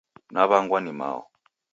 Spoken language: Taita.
Naw'angwa ni mao